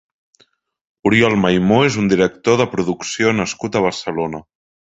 Oriol Maymó és un director de producció nascut a Barcelona.